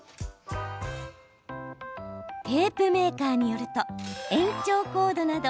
テープメーカーによると延長コードなど